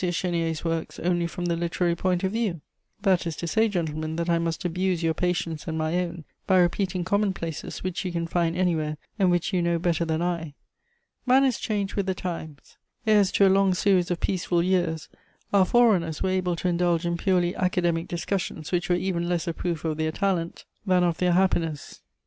Chénier's works only from the literary point of view.' That is to say, gentlemen, that I must abuse your patience and my own by repeating commonplaces which you can find anywhere and which you know better than I. Manners change with the times: heirs to a long series of peaceful years, our forerunners were able to indulge in purely academic discussions which were even less a proof of their talent than of their happiness.